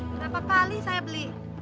berapa kali saya beli